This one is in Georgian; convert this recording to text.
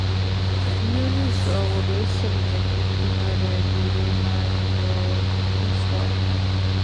ლიონის ყურეს ერთვის მდინარეები: რონა, ერო, ორბი და სხვა.